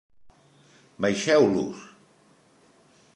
Baixeu-los!".